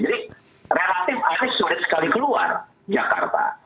jadi relatif anies sulit sekali keluar jakarta